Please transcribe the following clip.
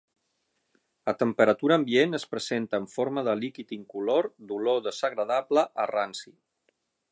A temperatura ambient es presenta en forma de líquid incolor, d'olor desagradable, a ranci.